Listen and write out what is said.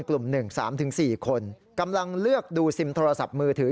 กลุ่ม๑๓๔คนกำลังเลือกดูซิมโทรศัพท์มือถือ